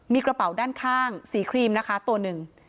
มีกระเป๋าด้านข้างสีครีมนะคะตัวหนึ่ง